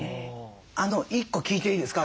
１個聞いていいですか？